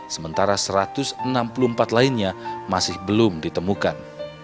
sementara satu ratus enam puluh empat lainnya masih belum ditemukan